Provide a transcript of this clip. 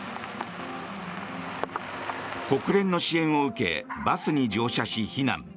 国連の支援を受けバスに乗車し避難。